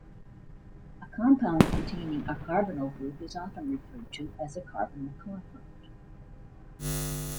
A compound containing a carbonyl group is often referred to as a carbonyl compound.